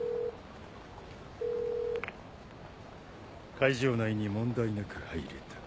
会場内に問題なく入れた。